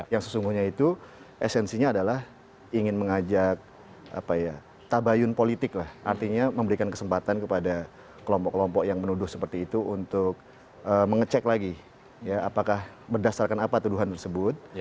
yang sesungguhnya itu esensinya adalah ingin mengajak tabayun politik lah artinya memberikan kesempatan kepada kelompok kelompok yang menuduh seperti itu untuk mengecek lagi apakah berdasarkan apa tuduhan tersebut